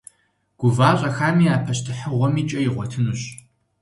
Гува щӏэхами, а пащтыхьыгъуэми кӏэ игъуэтынущ.